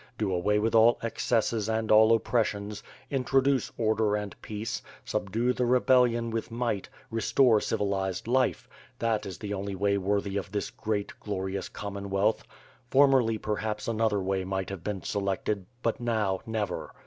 Do away with all excesses and all oppressions, introdice order and peace, subdue the rebellion with might, restore civilized life — ^that is the only way worthy of this great, glorious Commonwealth. Formerly perhaps another way might have been selected, but now never.